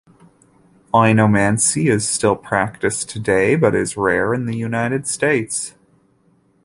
Oinomancy is still practiced today, but is rare in the United States.